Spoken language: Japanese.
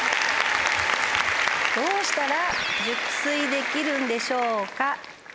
どうしたら熟睡できるんでしょうか？